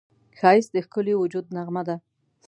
ښایست د ښکلي وجود نغمه ده